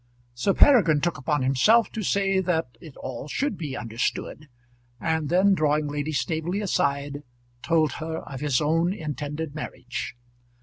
Sir Peregrine took upon himself to say that it all should be understood, and then drawing Lady Staveley aside, told her of his own intended marriage.